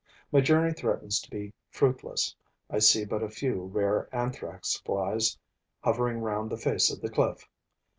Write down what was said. My journey threatens to be fruitless: I see but a few rare Anthrax flies, hovering round the face of the cliff.